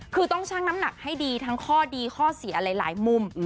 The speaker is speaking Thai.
คือต้องชั่งน้ำหนักให้ดีทั้งข้อดีข้อเสียหลายมุม